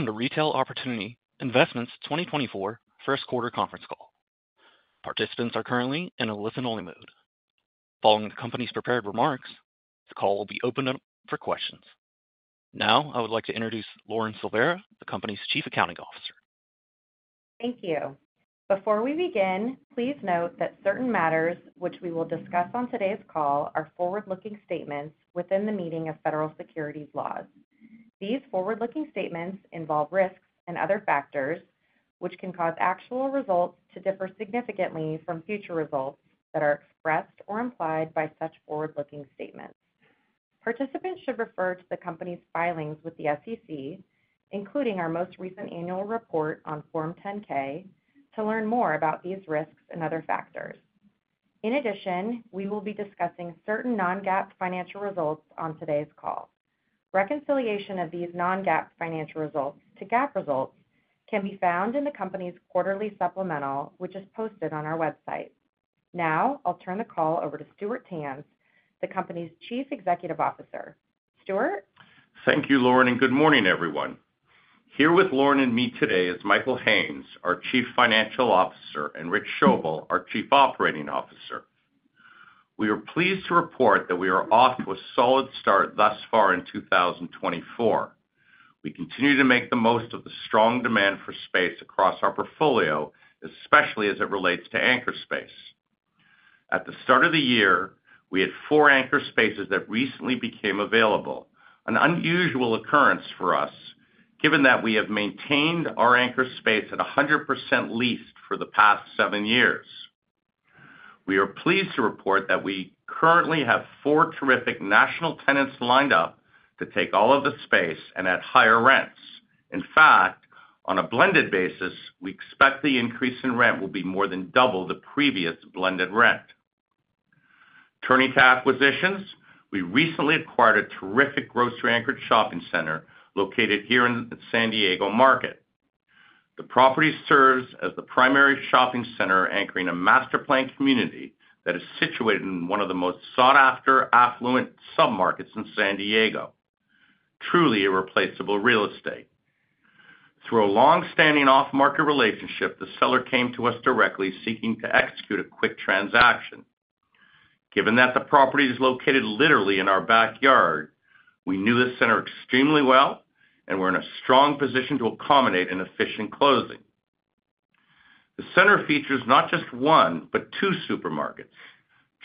Welcome to Retail Opportunity Investments 2024 first quarter conference call. Participants are currently in a listen-only mode. Following the company's prepared remarks, the call will be opened up for questions. Now I would like to introduce Lauren Silveira, the company's Chief Accounting Officer. Thank you. Before we begin, please note that certain matters which we will discuss on today's call are forward-looking statements within the meaning of federal securities laws. These forward-looking statements involve risks and other factors which can cause actual results to differ significantly from future results that are expressed or implied by such forward-looking statements. Participants should refer to the company's filings with the SEC, including our most recent annual report on Form 10-K, to learn more about these risks and other factors. In addition, we will be discussing certain non-GAAP financial results on today's call. Reconciliation of these non-GAAP financial results to GAAP results can be found in the company's quarterly supplemental, which is posted on our website. Now I'll turn the call over to Stuart Tanz, the company's Chief Executive Officer. Stuart? Thank you, Lauren, and good morning, everyone. Here with Lauren and me today is Michael Haines, our Chief Financial Officer, and Rich Schoebel, our Chief Operating Officer. We are pleased to report that we are off to a solid start thus far in 2024. We continue to make the most of the strong demand for space across our portfolio, especially as it relates to anchor space. At the start of the year, we had four anchor spaces that recently became available, an unusual occurrence for us given that we have maintained our anchor space at 100% lease for the past seven years. We are pleased to report that we currently have four terrific national tenants lined up to take all of the space and at higher rents. In fact, on a blended basis, we expect the increase in rent will be more than double the previous blended rent. Turning to acquisitions, we recently acquired a terrific grocery-anchored shopping center located here in San Diego market. The property serves as the primary shopping center anchoring a master plan community that is situated in one of the most sought-after, affluent submarkets in San Diego, truly irreplaceable real estate. Through a longstanding off-market relationship, the seller came to us directly seeking to execute a quick transaction. Given that the property is located literally in our backyard, we knew the center extremely well, and we're in a strong position to accommodate an efficient closing. The center features not just one but two supermarkets,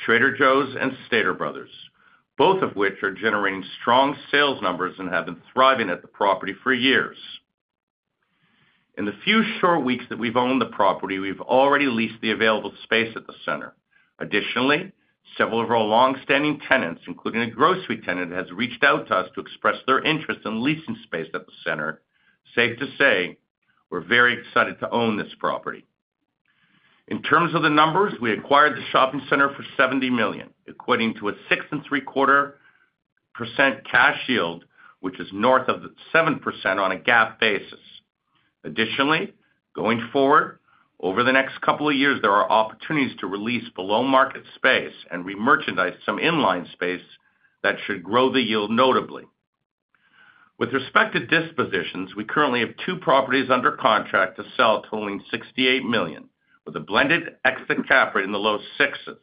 Trader Joe's and Stater Bros., both of which are generating strong sales numbers and have been thriving at the property for years. In the few short weeks that we've owned the property, we've already leased the available space at the center. Additionally, several of our longstanding tenants, including a grocery tenant, has reached out to us to express their interest in leasing space at the center. Safe to say, we're very excited to own this property. In terms of the numbers, we acquired the shopping center for $70 million, equating to a 6.75% cash yield, which is north of 7% on a GAAP basis. Additionally, going forward, over the next couple of years, there are opportunities to re-lease below-market space and remerchandise some inline space that should grow the yield notably. With respect to dispositions, we currently have two properties under contract to sell totaling $68 million, with a blended exit cap rate in the low sixes.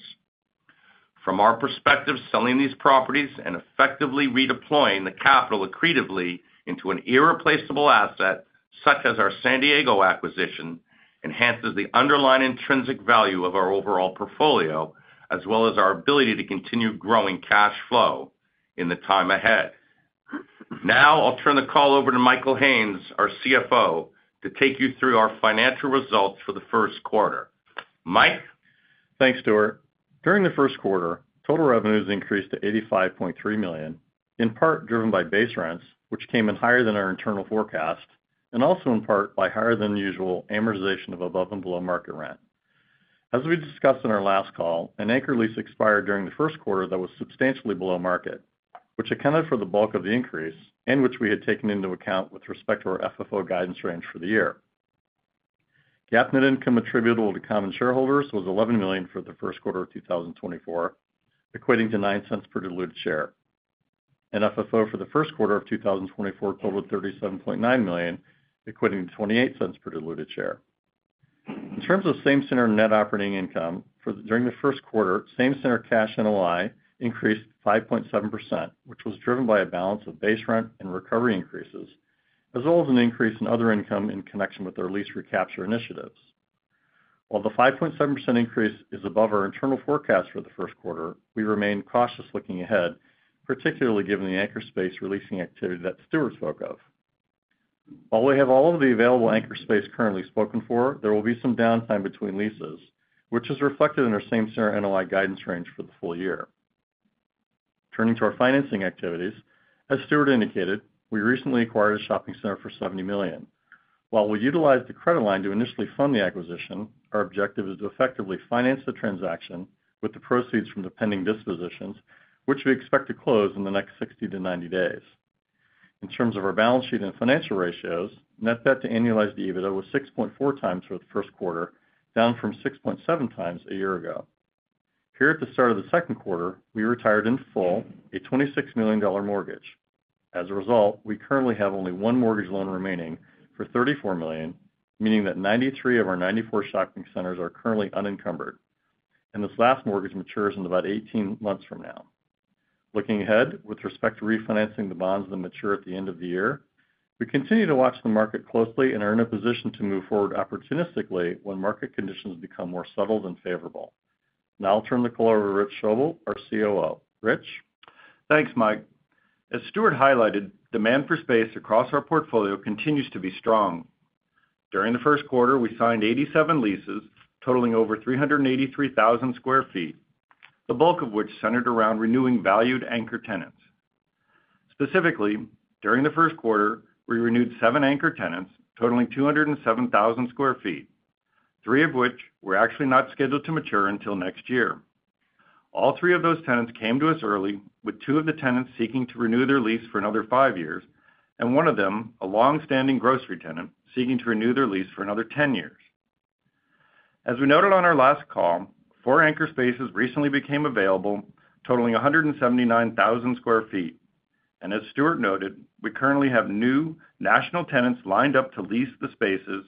From our perspective, selling these properties and effectively redeploying the capital accretively into an irreplaceable asset such as our San Diego acquisition enhances the underlying intrinsic value of our overall portfolio as well as our ability to continue growing cash flow in the time ahead. Now I'll turn the call over to Michael Haines, our CFO, to take you through our financial results for the first quarter. Mike? Thanks, Stuart. During the first quarter, total revenues increased to $85.3 million, in part driven by base rents, which came in higher than our internal forecast, and also in part by higher-than-usual amortization of above-and-below-market rent. As we discussed in our last call, an anchor lease expired during the first quarter that was substantially below market, which accounted for the bulk of the increase and which we had taken into account with respect to our FFO guidance range for the year. GAAP net income attributable to common shareholders was $11 million for the first quarter of 2024, equating to $0.09 per diluted share. FFO for the first quarter of 2024 totaled $37.9 million, equating to $0.28 per diluted share. In terms of same-center net operating income, during the first quarter, same-center cash NOI increased 5.7%, which was driven by a balance of base rent and recovery increases, as well as an increase in other income in connection with our lease recapture initiatives. While the 5.7% increase is above our internal forecast for the first quarter, we remain cautious looking ahead, particularly given the anchor space re-leasing activity that Stuart spoke of. While we have all of the available anchor space currently spoken for, there will be some downtime between leases, which is reflected in our same-center NOI guidance range for the full year. Turning to our financing activities, as Stuart indicated, we recently acquired a shopping center for $70 million. While we utilize the credit line to initially fund the acquisition, our objective is to effectively finance the transaction with the proceeds from the pending dispositions, which we expect to close in the next 60-90 days. In terms of our balance sheet and financial ratios, net debt to annualized EBITDA was 6.4x for the first quarter, down from 6.7x a year ago. Here at the start of the second quarter, we retired in full a $26 million mortgage. As a result, we currently have only one mortgage loan remaining for $34 million, meaning that 93 of our 94 shopping centers are currently unencumbered, and this last mortgage matures in about 18 months from now. Looking ahead, with respect to refinancing the bonds that mature at the end of the year, we continue to watch the market closely and are in a position to move forward opportunistically when market conditions become more settled and favorable. Now I'll turn the call over to Rich Schoebel, our COO. Rich? Thanks, Mike. As Stuart highlighted, demand for space across our portfolio continues to be strong. During the first quarter, we signed 87 leases totaling over 383,000 sq ft, the bulk of which centered around renewing valued anchor tenants. Specifically, during the first quarter, we renewed seven anchor tenants totaling 207,000 sq ft, three of which were actually not scheduled to mature until next year. All three of those tenants came to us early, with two of the tenants seeking to renew their lease for another five years, and one of them, a longstanding grocery tenant, seeking to renew their lease for another 10 years. As we noted on our last call, four anchor spaces recently became available totaling 179,000 sq ft. And as Stuart noted, we currently have new national tenants lined up to lease the spaces,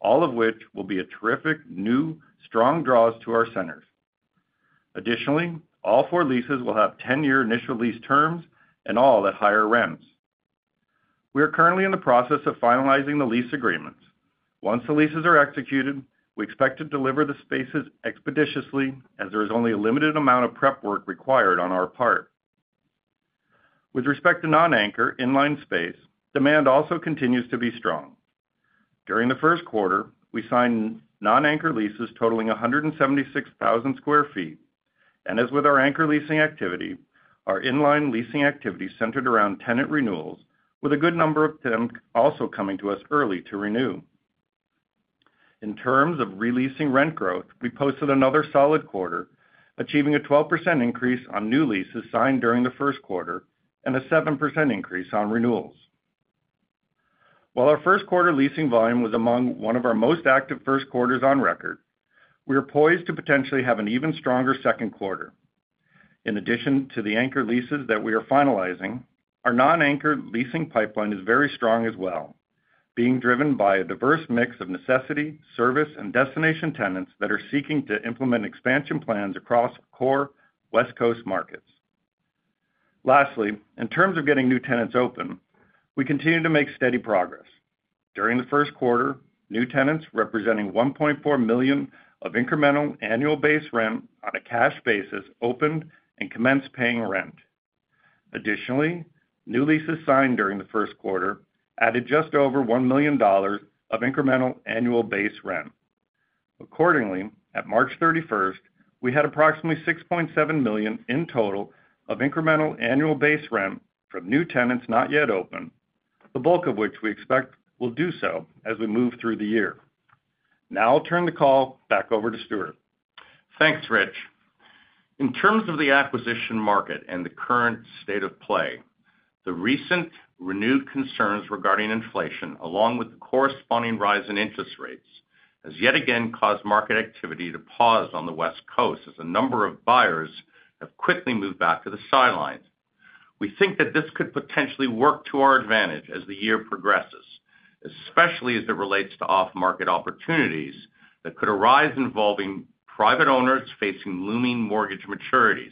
all of which will be a terrific new strong draws to our centers. Additionally, all four leases will have 10-year initial lease terms and all at higher rents. We are currently in the process of finalizing the lease agreements. Once the leases are executed, we expect to deliver the spaces expeditiously as there is only a limited amount of prep work required on our part. With respect to non-anchor inline space, demand also continues to be strong. During the first quarter, we signed non-anchor leases totaling 176,000 sq ft. And as with our anchor leasing activity, our inline leasing activity centered around tenant renewals, with a good number of them also coming to us early to renew. In terms of releasing rent growth, we posted another solid quarter, achieving a 12% increase on new leases signed during the first quarter and a 7% increase on renewals. While our first quarter leasing volume was among one of our most active first quarters on record, we are poised to potentially have an even stronger second quarter. In addition to the anchor leases that we are finalizing, our non-anchor leasing pipeline is very strong as well, being driven by a diverse mix of necessity, service, and destination tenants that are seeking to implement expansion plans across core West Coast markets. Lastly, in terms of getting new tenants open, we continue to make steady progress. During the first quarter, new tenants representing $1.4 million of incremental annual base rent on a cash basis opened and commenced paying rent. Additionally, new leases signed during the first quarter added just over $1 million of incremental annual base rent. Accordingly, at March 31st, we had approximately $6.7 million in total of incremental annual base rent from new tenants not yet open, the bulk of which we expect will do so as we move through the year. Now I'll turn the call back over to Stuart. Thanks, Rich. In terms of the acquisition market and the current state of play, the recent renewed concerns regarding inflation, along with the corresponding rise in interest rates, has yet again caused market activity to pause on the West Coast as a number of buyers have quickly moved back to the sidelines. We think that this could potentially work to our advantage as the year progresses, especially as it relates to off-market opportunities that could arise involving private owners facing looming mortgage maturities.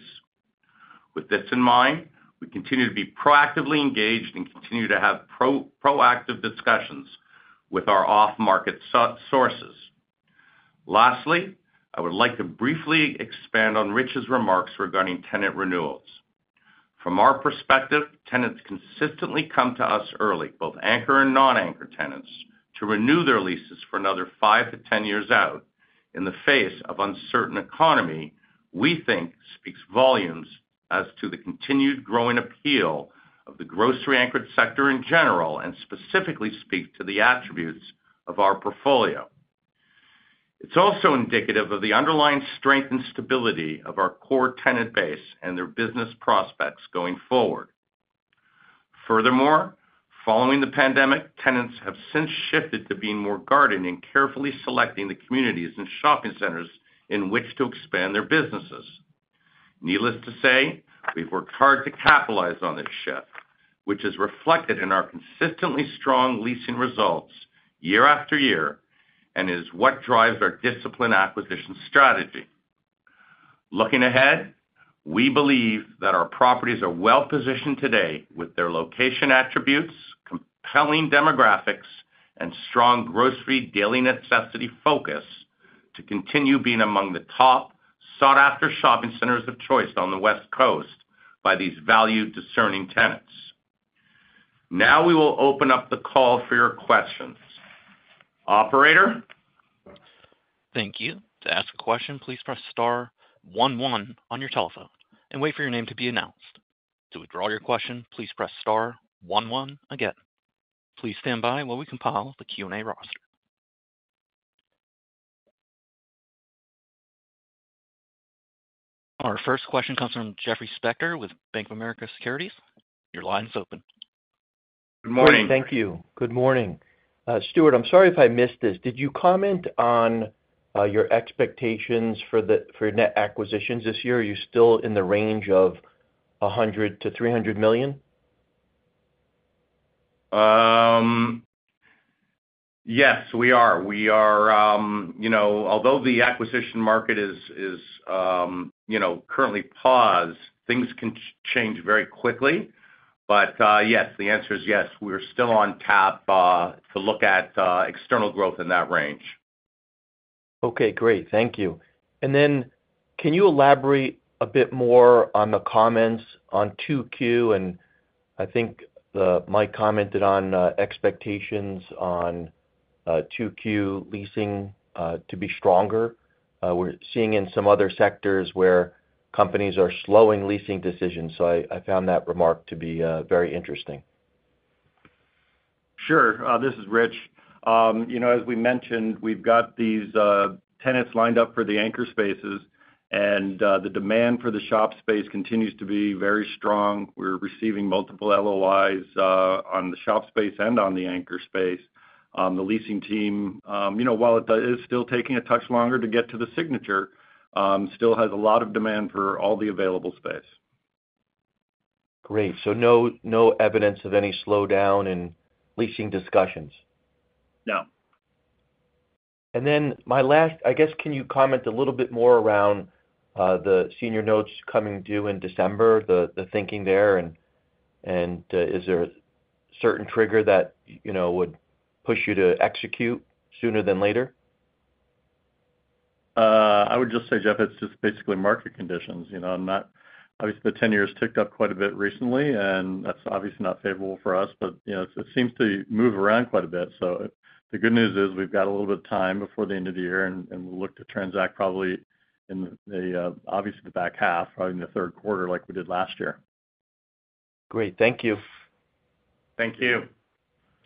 With this in mind, we continue to be proactively engaged and continue to have proactive discussions with our off-market sources. Lastly, I would like to briefly expand on Rich's remarks regarding tenant renewals. From our perspective, tenants consistently come to us early, both anchor and non-anchor tenants, to renew their leases for another five to 10 years out in the face of uncertain economy. We think speaks volumes as to the continued growing appeal of the grocery-anchored sector in general and specifically speaks to the attributes of our portfolio. It's also indicative of the underlying strength and stability of our core tenant base and their business prospects going forward. Furthermore, following the pandemic, tenants have since shifted to being more guarded in carefully selecting the communities and shopping centers in which to expand their businesses. Needless to say, we've worked hard to capitalize on this shift, which is reflected in our consistently strong leasing results year after year and is what drives our discipline acquisition strategy. Looking ahead, we believe that our properties are well positioned today with their location attributes, compelling demographics, and strong grocery daily necessity focus to continue being among the top sought-after shopping centers of choice on the West Coast by these valued discerning tenants. Now we will open up the call for your questions. Operator? Thank you. To ask a question, please press star one one on your telephone and wait for your name to be announced. To withdraw your question, please press star one one again. Please stand by while we compile the Q&A roster. Our first question comes from Jeffrey Spector with Bank of America Securities. Your line's open. Good morning. Good morning. Thank you. Good morning. Stuart, I'm sorry if I missed this. Did you comment on your expectations for net acquisitions this year? Are you still in the range of $100 million-$300 million? Yes, we are. Although the acquisition market is currently paused, things can change very quickly. But yes, the answer is yes. We're still on tap to look at external growth in that range. Okay. Great. Thank you. And then can you elaborate a bit more on the comments on 2Q? And I think Mike commented on expectations on 2Q leasing to be stronger. We're seeing in some other sectors where companies are slowing leasing decisions. So I found that remark to be very interesting. Sure. This is Rich. As we mentioned, we've got these tenants lined up for the anchor spaces, and the demand for the shop space continues to be very strong. We're receiving multiple LOIs on the shop space and on the anchor space. The leasing team, while it is still taking a touch longer to get to the signature, still has a lot of demand for all the available space. Great. So no evidence of any slowdown in leasing discussions? No. And then my last, I guess, can you comment a little bit more around the senior notes coming due in December, the thinking there? And is there a certain trigger that would push you to execute sooner than later? I would just say, Jeff, it's just basically market conditions. Obviously, the 10-year ticked up quite a bit recently, and that's obviously not favorable for us. But it seems to move around quite a bit. So the good news is we've got a little bit of time before the end of the year, and we'll look to transact probably in the obviously, the back half, probably in the third quarter, like we did last year. Great. Thank you. Thank you.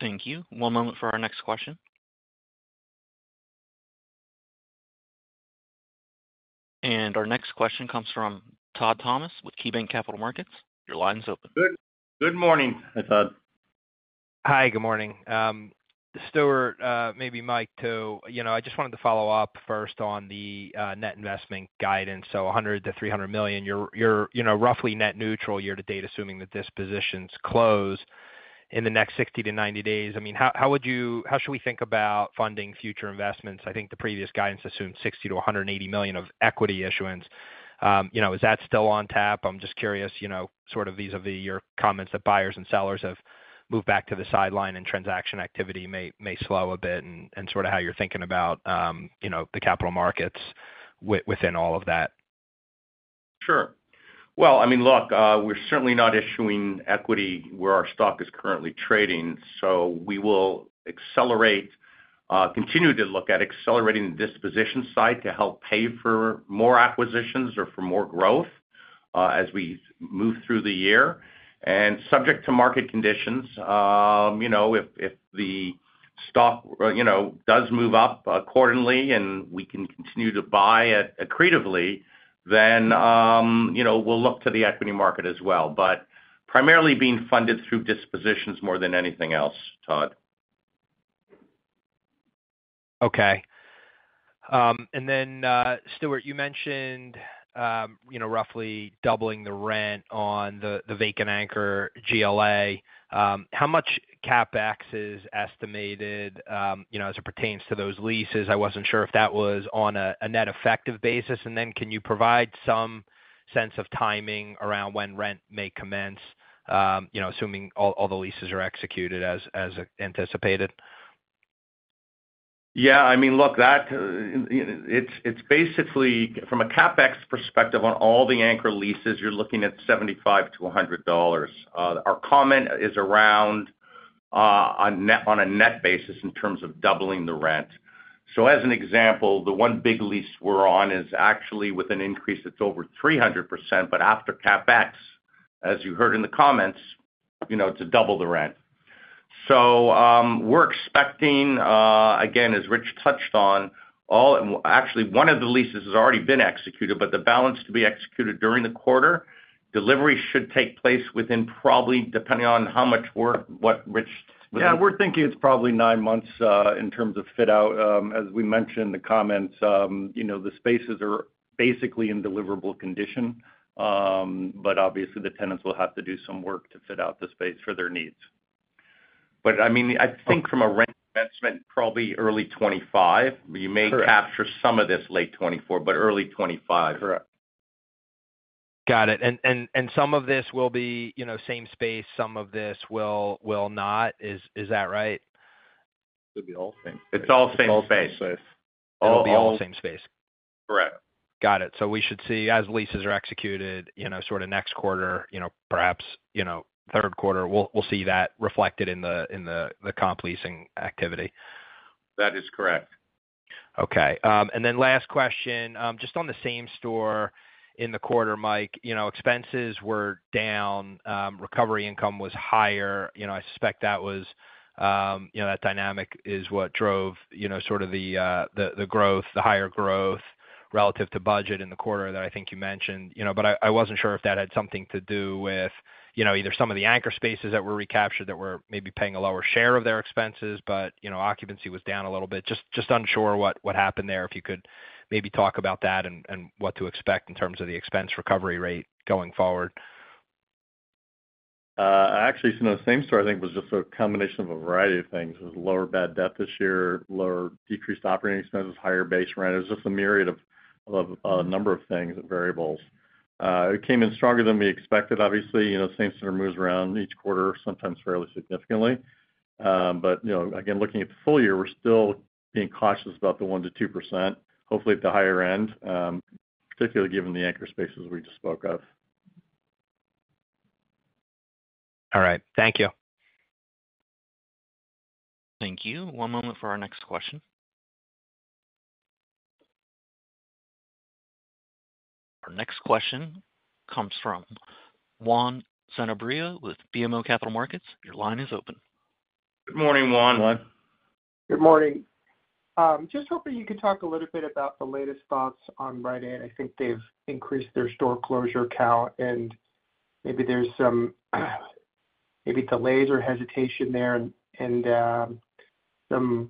Thank you. One moment for our next question. Our next question comes from Todd Thomas with KeyBanc Capital Markets. Your line's open. Good morning. Hi, Todd. Hi. Good morning. Stuart, maybe Mike, too. I just wanted to follow up first on the net investment guidance. So $100 million-$300 million, you're roughly net neutral year to date, assuming the dispositions close in the next 60-90 days. I mean, how should we think about funding future investments? I think the previous guidance assumed $60 million-$180 million of equity issuance. Is that still on tap? I'm just curious, sort of vis-à-vis your comments that buyers and sellers have moved back to the sideline, and transaction activity may slow a bit, and sort of how you're thinking about the capital markets within all of that. Sure. Well, I mean, look, we're certainly not issuing equity where our stock is currently trading. So we will continue to look at accelerating the disposition side to help pay for more acquisitions or for more growth as we move through the year. And subject to market conditions, if the stock does move up accordingly and we can continue to buy accretively, then we'll look to the equity market as well, but primarily being funded through dispositions more than anything else, Todd. Okay. And then, Stuart, you mentioned roughly doubling the rent on the vacant anchor GLA. How much CapEx is estimated as it pertains to those leases? I wasn't sure if that was on a net effective basis. And then can you provide some sense of timing around when rent may commence, assuming all the leases are executed as anticipated? Yeah. I mean, look, it's basically, from a CapEx perspective, on all the anchor leases, you're looking at $75-$100. Our comment is around on a net basis in terms of doubling the rent. So as an example, the one big lease we're on is actually with an increase that's over 300%, but after CapEx, as you heard in the comments, it's a double the rent. So we're expecting, again, as Rich touched on, actually, one of the leases has already been executed, but the balance to be executed during the quarter, delivery should take place within probably, depending on how much work Rich was. Yeah. We're thinking it's probably nine months in terms of fit-out. As we mentioned in the comments, the spaces are basically in deliverable condition, but obviously, the tenants will have to do some work to fit out the space for their needs. I mean, I think from a rent investment, probably early 2025. You may capture some of this late 2024, but early 2025. Correct. Got it. And some of this will be same space, some of this will not. Is that right? It could be all same. It's all same space. It'll be all same space. Correct. Got it. So we should see, as leases are executed, sort of next quarter, perhaps third quarter, we'll see that reflected in the comp leasing activity. That is correct. Okay. And then last question, just on the same store in the quarter, Mike, expenses were down, recovery income was higher. I suspect that was that dynamic is what drove sort of the growth, the higher growth relative to budget in the quarter that I think you mentioned. But I wasn't sure if that had something to do with either some of the anchor spaces that were recaptured that were maybe paying a lower share of their expenses, but occupancy was down a little bit. Just unsure what happened there. If you could maybe talk about that and what to expect in terms of the expense recovery rate going forward. Actually, same store, I think, was just a combination of a variety of things. It was lower bad debt this year, decreased operating expenses, higher base rent. It was just a myriad of a number of things, variables. It came in stronger than we expected, obviously. Same center moves around each quarter, sometimes fairly significantly. But again, looking at the full year, we're still being cautious about the 1%-2%, hopefully at the higher end, particularly given the anchor spaces we just spoke of. All right. Thank you. Thank you. One moment for our next question. Our next question comes from Juan Sanabria with BMO Capital Markets. Your line is open. Good morning, Juan. Good morning. Just hoping you could talk a little bit about the latest thoughts on Rite Aid. I think they've increased their store closure count, and maybe there's some delays or hesitation there and some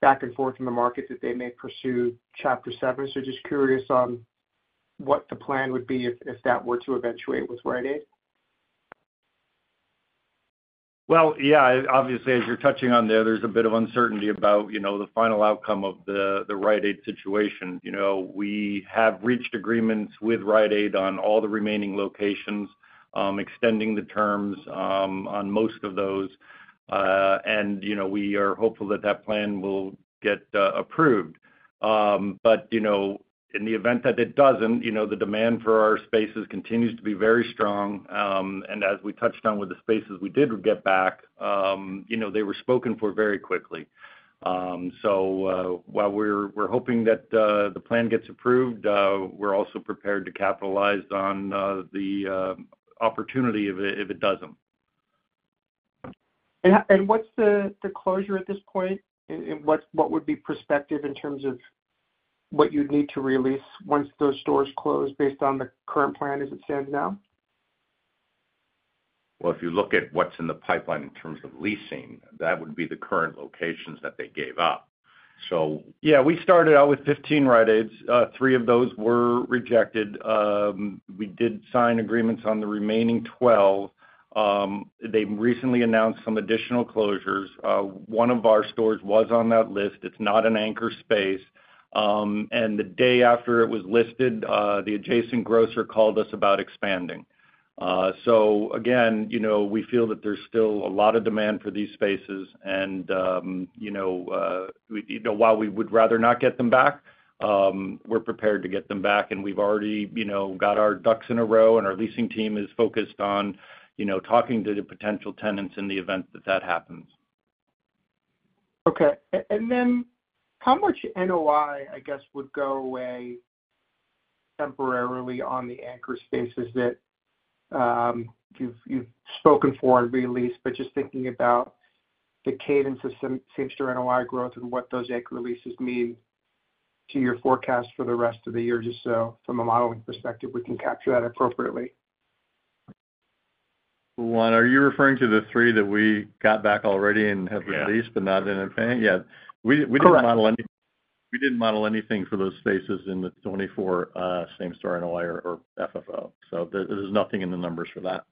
back and forth in the market that they may pursue Chapter 7. So just curious on what the plan would be if that were to eventuate with Rite Aid. Well, yeah. Obviously, as you're touching on there, there's a bit of uncertainty about the final outcome of the Rite Aid situation. We have reached agreements with Rite Aid on all the remaining locations, extending the terms on most of those. We are hopeful that that plan will get approved. In the event that it doesn't, the demand for our spaces continues to be very strong. As we touched on with the spaces we did get back, they were spoken for very quickly. While we're hoping that the plan gets approved, we're also prepared to capitalize on the opportunity if it doesn't. What's the closure at this point? What would be prospective in terms of what you'd need to re-lease once those stores close based on the current plan as it stands now? Well, if you look at what's in the pipeline in terms of leasing, that would be the current locations that they gave up. So yeah, we started out with 15 Rite Aids. Three of those were rejected. We did sign agreements on the remaining 12. They recently announced some additional closures. One of our stores was on that list. It's not an anchor space. And the day after it was listed, the adjacent grocer called us about expanding. So again, we feel that there's still a lot of demand for these spaces. And while we would rather not get them back, we're prepared to get them back. And we've already got our ducks in a row, and our leasing team is focused on talking to the potential tenants in the event that that happens. Okay. And then how much NOI, I guess, would go away temporarily on the anchor spaces that you've spoken for and re-leased? But just thinking about the cadence of same-store NOI growth and what those anchor re-leases mean to your forecast for the rest of the year just so from a modeling perspective, we can capture that appropriately. Juan, are you referring to the three that we got back already and have re-leased but not in a payment? Yeah. We didn't model anything for those spaces in the 2024 same-store NOI or FFO. There's nothing in the numbers for that.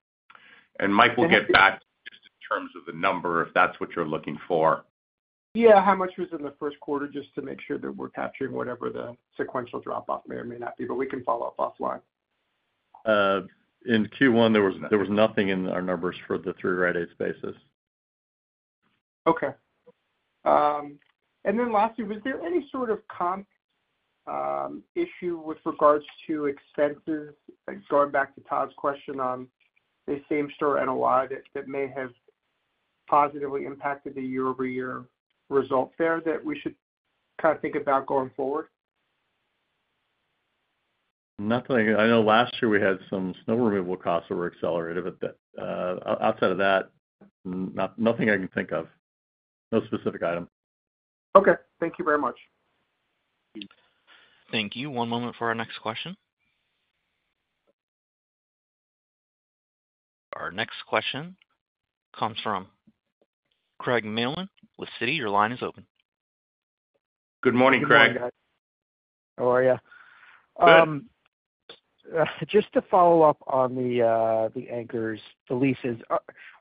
Mike will get back to you just in terms of the number if that's what you're looking for. Yeah. How much was in the first quarter just to make sure that we're capturing whatever the sequential drop-off may or may not be? But we can follow up offline. In Q1, there was nothing in our numbers for the three Rite Aid spaces. Okay. And then lastly, was there any sort of comp issue with regards to expenses? Going back to Todd's question on the same-store NOI that may have positively impacted the year-over-year result there that we should kind of think about going forward? Nothing. I know last year we had some snow removal costs that were accelerated. But outside of that, nothing I can think of. No specific item. Okay. Thank you very much. Thank you. One moment for our next question. Our next question comes from Craig Mailman with Citi. Your line is open. Good morning, Craig. Good morning, guys. How are you? Good. Just to follow up on the anchors, the leases,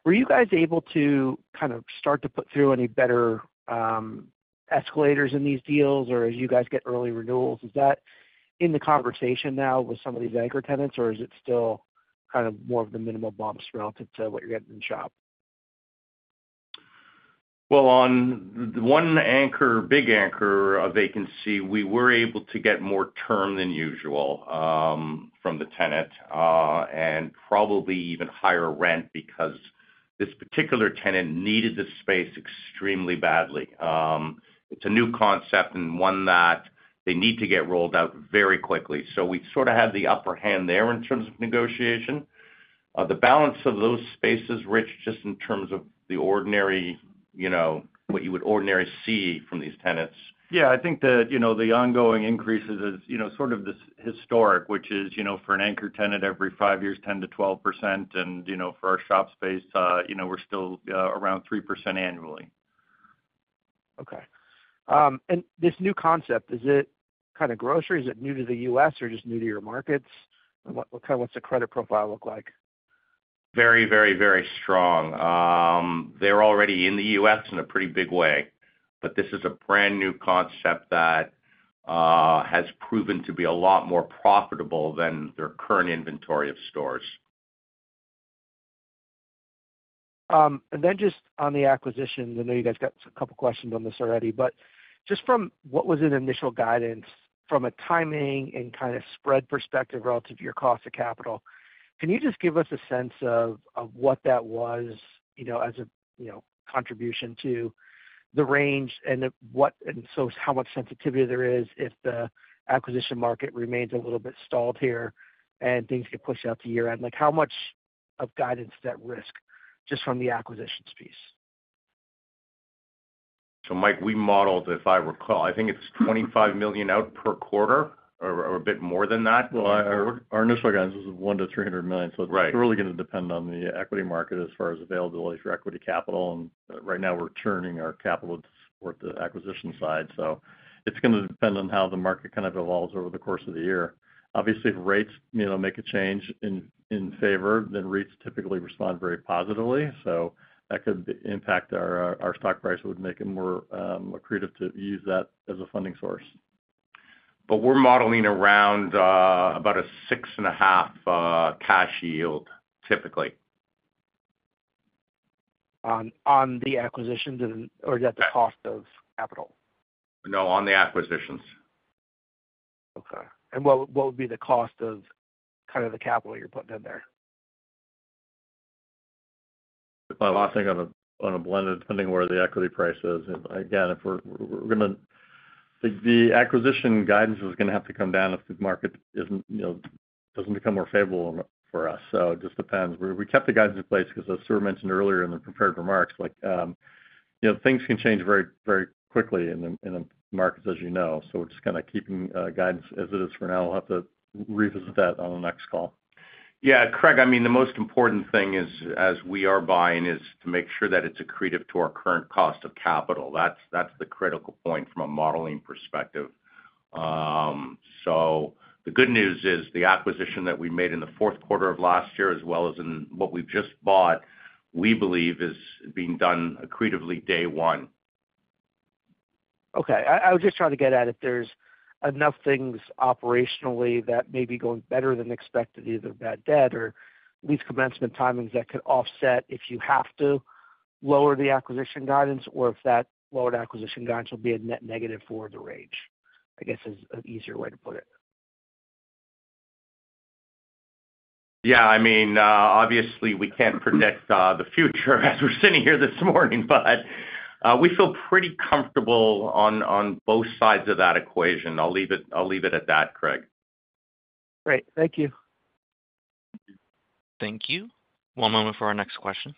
were you guys able to kind of start to put through any better escalators in these deals? Or as you guys get early renewals, is that in the conversation now with some of these anchor tenants, or is it still kind of more of the minimal bumps relative to what you're getting in the shop? Well, on the one anchor, big anchor vacancy, we were able to get more term than usual from the tenant and probably even higher rent because this particular tenant needed the space extremely badly. It's a new concept and one that they need to get rolled out very quickly. So we sort of had the upper hand there in terms of negotiation. The balance of those spaces, Rich, just in terms of what you would ordinarily see from these tenants. Yeah. I think the ongoing increases is sort of this historic, which is for an anchor tenant, every five years, 10%-12%. For our shop space, we're still around 3% annually. Okay. And this new concept, is it kind of grocery? Is it new to the U.S. or just new to your markets? Kind of what's the credit profile look like? Very, very, very strong. They're already in the U.S. in a pretty big way, but this is a brand new concept that has proven to be a lot more profitable than their current inventory of stores. And then just on the acquisitions, I know you guys got a couple of questions on this already, but just from what was in initial guidance, from a timing and kind of spread perspective relative to your cost of capital, can you just give us a sense of what that was as a contribution to the range and so how much sensitivity there is if the acquisition market remains a little bit stalled here and things get pushed out to year-end? How much of guidance is at risk just from the acquisitions piece? Mike, we modeled, if I recall, I think it's $25 million out per quarter or a bit more than that. Well, our initial guidance was $1 million-$300 million. So it's really going to depend on the equity market as far as availability for equity capital. And right now, we're turning our capital towards the acquisition side. So it's going to depend on how the market kind of evolves over the course of the year. Obviously, if rates make a change in favor, then REITs typically respond very positively. So that could impact our stock price. It would make it more accretive to use that as a funding source. We're modeling around about a 6.5 cash yield, typically. On the acquisitions or is that the cost of capital? No, on the acquisitions. Okay. What would be the cost of kind of the capital you're putting in there? If I was thinking on a blended, depending where the equity price is. Again, we're going to, the acquisition guidance is going to have to come down if the market doesn't become more favorable for us. So it just depends. We kept the guidance in place because, as Stuart mentioned earlier in the prepared remarks, things can change very quickly in the markets, as you know. So we're just kind of keeping guidance as it is for now. We'll have to revisit that on the next call. Yeah. Craig, I mean, the most important thing as we are buying is to make sure that it's accretive to our current cost of capital. That's the critical point from a modeling perspective. So the good news is the acquisition that we made in the fourth quarter of last year, as well as in what we've just bought, we believe, is being done accretively day one. Okay. I was just trying to get at if there's enough things operationally that may be going better than expected, either bad debt or lease commencement timings that could offset if you have to lower the acquisition guidance or if that lowered acquisition guidance will be a net negative for the range, I guess, is an easier way to put it. Yeah. I mean, obviously, we can't predict the future as we're sitting here this morning, but we feel pretty comfortable on both sides of that equation. I'll leave it at that, Craig. Great. Thank you. Thank you. One moment for our next question.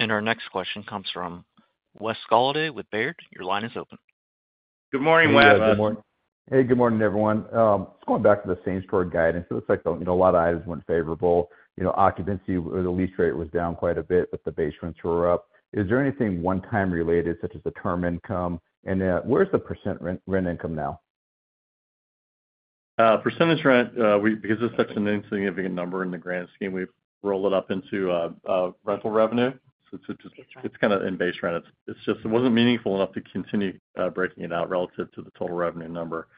Our next question comes from Wes Golladay with Baird. Your line is open. Good morning, Wes. Hey, good morning. Hey, good morning, everyone. Just going back to the same-store guidance, it looks like a lot of items went favorable. Occupancy or the lease rate was down quite a bit, but the base rents were up. Is there anything one-time related such as the term income? And where's the percent rent income now? Percentage rent, because it's such an insignificant number in the grand scheme, we've rolled it up into rental revenue. So it's kind of in base rent. It wasn't meaningful enough to continue breaking it out relative to the total revenue number.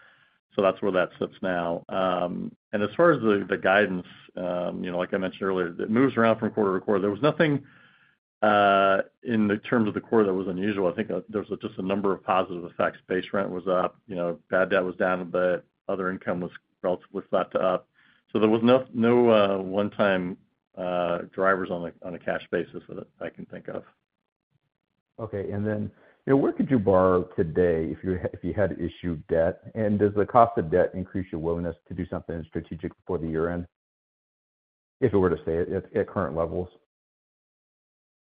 So that's where that sits now. And as far as the guidance, like I mentioned earlier, it moves around from quarter-to-quarter. There was nothing in terms of the quarter that was unusual. I think there was just a number of positive effects. Base rent was up. Bad debt was down, but other income was relatively flat to up. So there was no one-time drivers on a cash basis that I can think of. Okay. And then where could you borrow today if you had to issue debt? And does the cost of debt increase your willingness to do something strategic before the year-end, if it were to stay at current levels?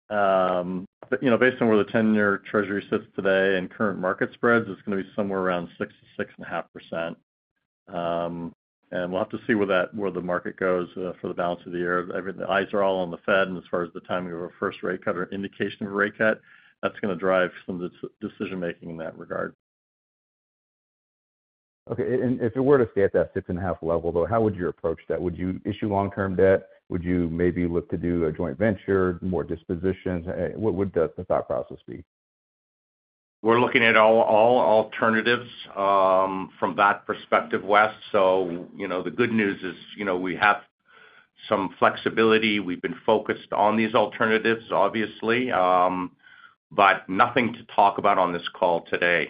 Based on where the 10-year Treasury sits today and current market spreads, it's going to be somewhere around 6%-6.5%. We'll have to see where the market goes for the balance of the year. The eyes are all on the Fed. As far as the timing of a first rate cut or indication of a rate cut, that's going to drive some decision-making in that regard. Okay. And if it were to stay at that 6.5 level, though, how would you approach that? Would you issue long-term debt? Would you maybe look to do a joint venture, more dispositions? What would the thought process be? We're looking at all alternatives from that perspective, Wes. So the good news is we have some flexibility. We've been focused on these alternatives, obviously, but nothing to talk about on this call today.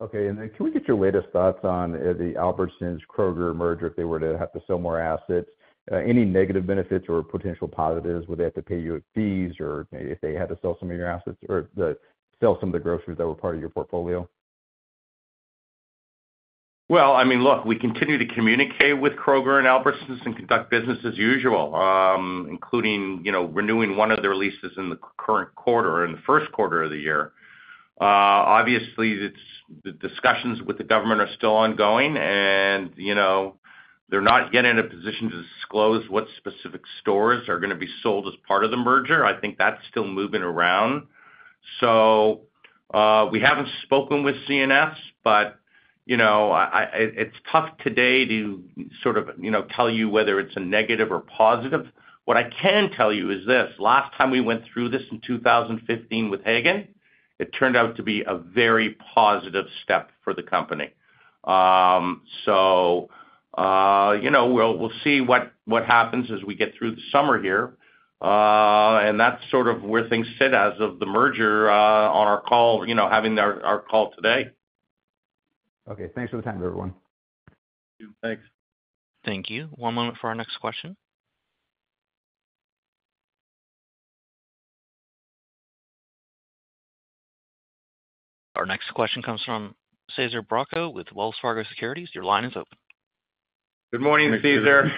Okay. Then can we get your latest thoughts on the Albertsons-Kroger merger, if they were to have to sell more assets? Any negative benefits or potential positives? Would they have to pay you fees if they had to sell some of your assets or sell some of the groceries that were part of your portfolio? Well, I mean, look, we continue to communicate with Kroger and Albertsons and conduct business as usual, including renewing one of their leases in the current quarter or in the first quarter of the year. Obviously, the discussions with the government are still ongoing, and they're not yet in a position to disclose what specific stores are going to be sold as part of the merger. I think that's still moving around. So we haven't spoken with C&S, but it's tough today to sort of tell you whether it's a negative or positive. What I can tell you is this: last time we went through this in 2015 with Haggen, it turned out to be a very positive step for the company. So we'll see what happens as we get through the summer here. That's sort of where things sit as of the merger on our call, having our call today. Okay. Thanks for the time, everyone. You too. Thanks. Thank you. One moment for our next question. Our next question comes from Cesar Bracho with Wells Fargo Securities. Your line is open. Good morning, Cesar.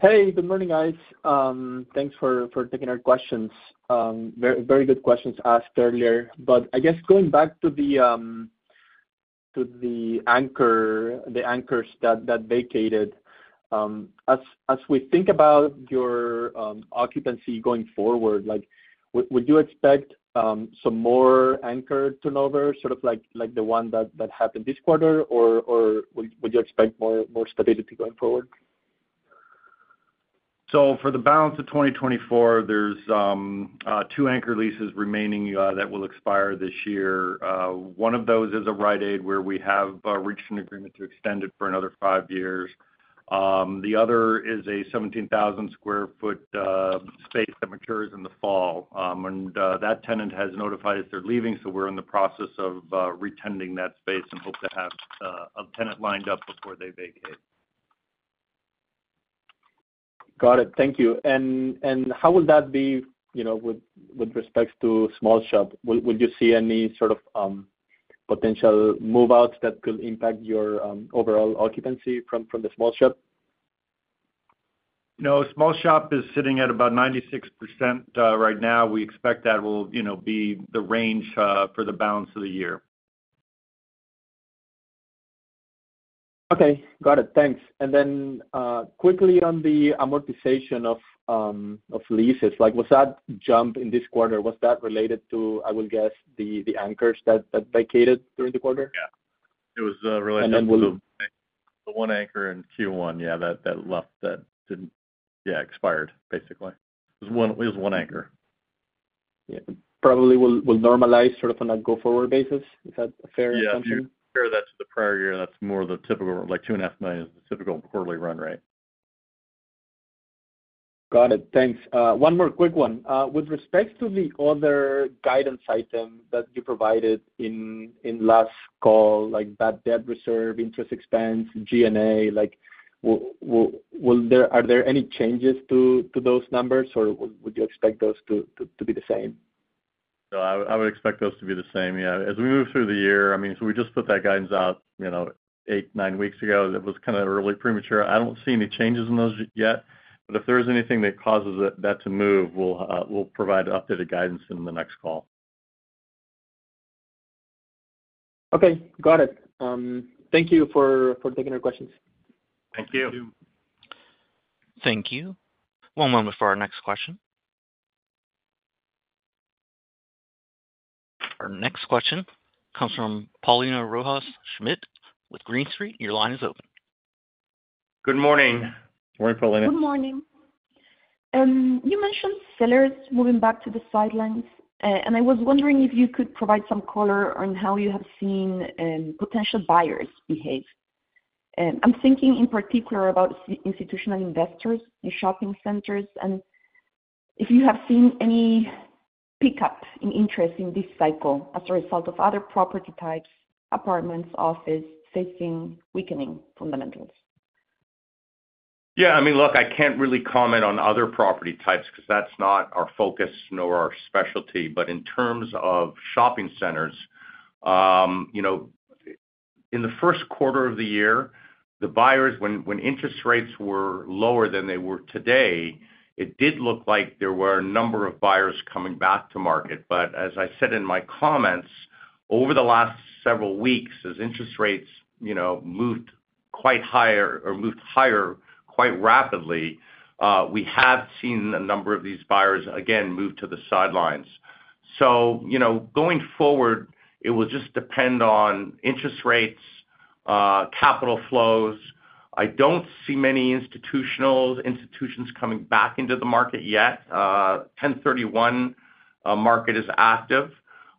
Hey. Good morning, guys. Thanks for taking our questions. Very good questions asked earlier. But I guess going back to the anchors that vacated, as we think about your occupancy going forward, would you expect some more anchor turnover, sort of like the one that happened this quarter, or would you expect more stability going forward? For the balance of 2024, there's two anchor leases remaining that will expire this year. One of those is a Rite Aid where we have reached an agreement to extend it for another five years. The other is a 17,000 sq ft space that matures in the fall. That tenant has notified us they're leaving, so we're in the process of re-tenanting that space and hope to have a tenant lined up before they vacate. Got it. Thank you. How will that be with respect to small shop? Would you see any sort of potential move-outs that could impact your overall occupancy from the small shop? No. small shop is sitting at about 96% right now. We expect that will be the range for the balance of the year. Okay. Got it. Thanks. And then quickly on the amortization of leases, was that jump in this quarter, was that related to, I will guess, the anchors that vacated during the quarter? Yeah. It was related to the one anchor in Q1. Yeah, that expired, basically. It was one anchor. Yeah. Probably will normalize sort of on a go-forward basis. Is that a fair assumption? Yeah. If you compare that to the prior year, that's more the typical $2.5 million is the typical quarterly run rate. Got it. Thanks. One more quick one. With respect to the other guidance item that you provided in last call, like bad debt reserve, interest expense, GNA, are there any changes to those numbers, or would you expect those to be the same? No, I would expect those to be the same. Yeah. As we move through the year, I mean, so we just put that guidance out eight, nine weeks ago. It was kind of early, premature. I don't see any changes in those yet. But if there is anything that causes that to move, we'll provide updated guidance in the next call. Okay. Got it. Thank you for taking our questions. Thank you. You too. Thank you. One moment for our next question. Our next question comes from Paulina Rojas Schmidt with Green Street. Your line is open. Good morning. Morning, Paulina. Good morning. You mentioned sellers moving back to the sidelines, and I was wondering if you could provide some color on how you have seen potential buyers behave. I'm thinking in particular about institutional investors in shopping centers and if you have seen any pickup in interest in this cycle as a result of other property types, apartments, offices facing weakening fundamentals. Yeah. I mean, look, I can't really comment on other property types because that's not our focus nor our specialty. But in terms of shopping centers, in the first quarter of the year, when interest rates were lower than they were today, it did look like there were a number of buyers coming back to market. But as I said in my comments, over the last several weeks, as interest rates moved quite higher or moved higher quite rapidly, we have seen a number of these buyers, again, move to the sidelines. So going forward, it will just depend on interest rates, capital flows. I don't see many institutions coming back into the market yet. 1031 market is active.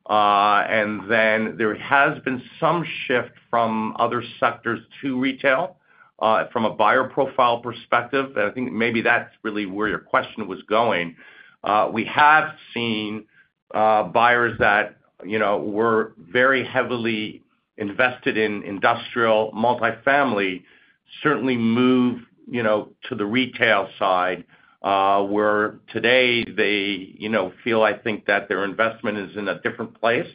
And then there has been some shift from other sectors to retail from a buyer profile perspective. And I think maybe that's really where your question was going. We have seen buyers that were very heavily invested in industrial, multifamily certainly move to the retail side where today they feel, I think, that their investment is in a different place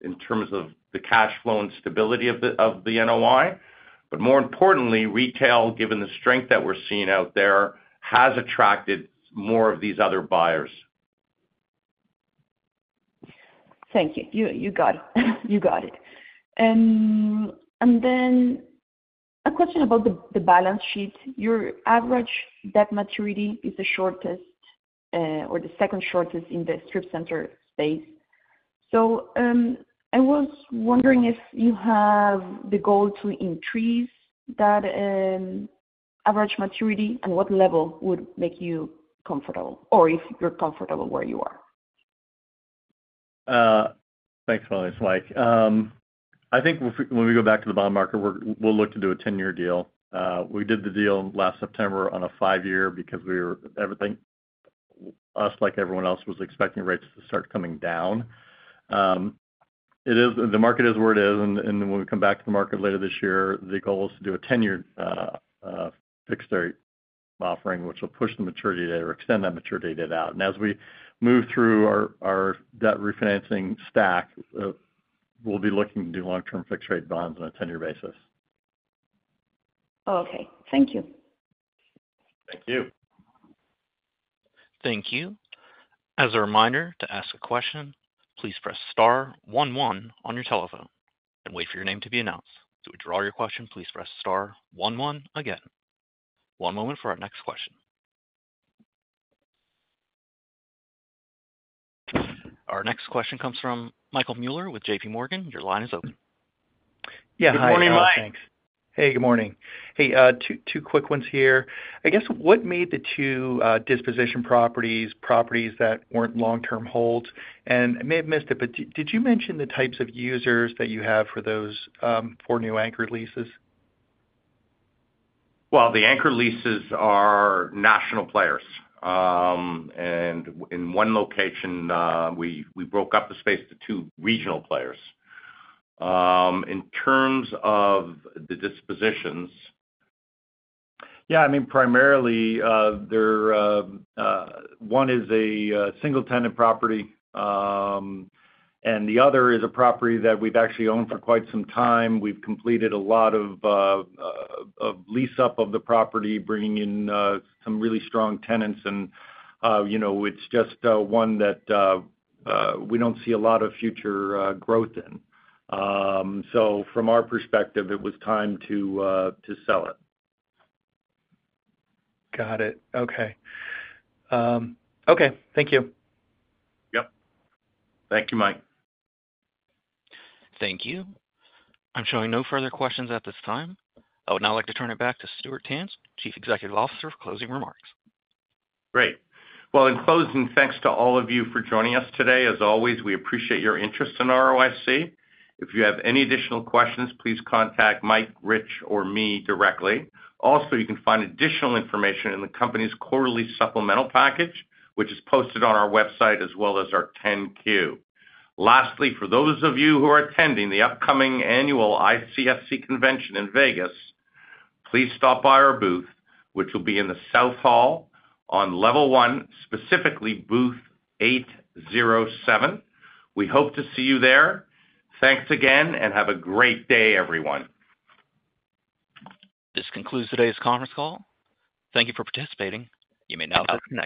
in terms of the cash flow and stability of the NOI. But more importantly, retail, given the strength that we're seeing out there, has attracted more of these other buyers. Thank you. You got it. You got it. And then a question about the balance sheet. Your average debt maturity is the shortest or the second shortest in the strip center space. So I was wondering if you have the goal to increase that average maturity and what level would make you comfortable or if you're comfortable where you are? Thanks, Paulina. It's Mike. I think when we go back to the bond market, we'll look to do a 10-year deal. We did the deal last September on a five-year because us, like everyone else, was expecting rates to start coming down. The market is where it is. And when we come back to the market later this year, the goal is to do a 10-year fixed-rate offering, which will push the maturity date or extend that maturity date out. And as we move through our debt refinancing stack, we'll be looking to do long-term fixed-rate bonds on a 10-year basis. Okay. Thank you. Thank you. Thank you. As a reminder to ask a question, please press star one one on your telephone and wait for your name to be announced. To withdraw your question, please press star one one again. One moment for our next question. Our next question comes from Michael Mueller with JPMorgan. Your line is open. Yeah. Hi, Mike. Good morning, Mike. Hey. Good morning. Hey, two quick ones here. I guess what made the two disposition properties, properties that weren't long-term holds? And I may have missed it, but did you mention the types of users that you have for those four new anchor leases? Well, the anchor leases are national players. In one location, we broke up the space to two regional players. In terms of the dispositions. Yeah. I mean, primarily, one is a single-tenant property, and the other is a property that we've actually owned for quite some time. We've completed a lot of lease-up of the property, bringing in some really strong tenants. It's just one that we don't see a lot of future growth in. So from our perspective, it was time to sell it. Got it. Okay. Okay. Thank you. Yep. Thank you, Mike. Thank you. I'm showing no further questions at this time. I would now like to turn it back to Stuart Tanz, Chief Executive Officer, for closing remarks. Great. Well, in closing, thanks to all of you for joining us today. As always, we appreciate your interest in ROIC. If you have any additional questions, please contact Mike, Rich, or me directly. Also, you can find additional information in the company's quarterly supplemental package, which is posted on our website as well as our 10-Q. Lastly, for those of you who are attending the upcoming annual ICSC convention in Vegas, please stop by our booth, which will be in the South Hall on Level 1, specifically Booth 807. We hope to see you there. Thanks again, and have a great day, everyone. This concludes today's conference call. Thank you for participating. You may now.